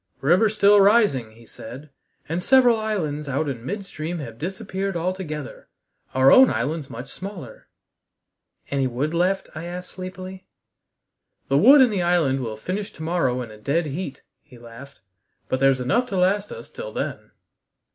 "River still rising," he said, "and several islands out in midstream have disappeared altogether. Our own island's much smaller." "Any wood left?" I asked sleepily. "The wood and the island will finish to morrow in a dead heat," he laughed, "but there's enough to last us till then."